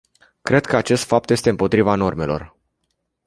Cred că acest fapt este împotriva normelor.